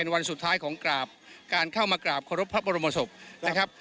วันสุดท้ายของกราบการเข้ามากราบขอรบพระบรมศพนะครับ